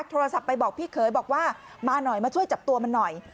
โทรศัพท์ไปบอกพี่เคยบอกว่ามาหน่อยมาช่วยจับตัวมันหน่อย